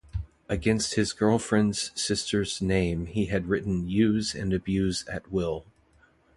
Against his girlfriend's sister's name he had written use and abuse at will.